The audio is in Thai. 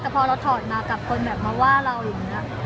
แต่พอเราถอดมากับคนแบบมาว่าเราอย่างนี้